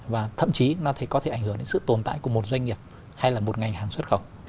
và thậm chí nó có thể ảnh hưởng đến sự tồn tại của một doanh nghiệp hay là một ngành hàng xuất khẩu